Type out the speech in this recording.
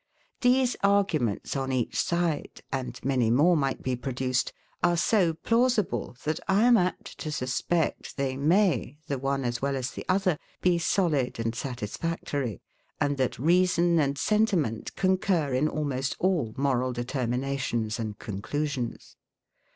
These arguments on each side (and many more might be produced) are so plausible, that I am apt to suspect, they may, the one as well as the other, be solid and satisfactory, and that reason and sentiment concur in almost all moral determinations and conclusions.